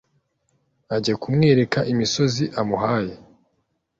ajya kumwereka imisozi amuhaye